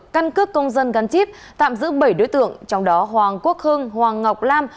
căn cước công dân gắn chip tạm giữ bảy đối tượng trong đó hoàng quốc hưng hoàng ngọc lam